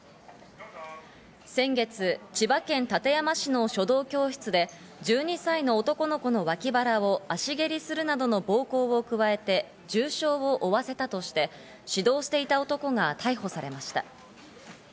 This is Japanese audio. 先月、千葉県館山市の書道教室で１２歳の男の子のわき腹を足蹴りするなどの暴行を加えて重傷を負わせたとして指導していた男が逮捕されました。